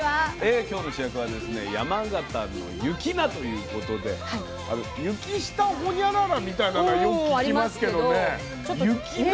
今日の主役はですね山形の雪菜ということで雪下ホニャララみたいなのはよく聞きますけどね雪菜。